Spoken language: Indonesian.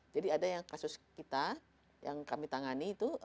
ada yang kasus kita yang kami tangani itu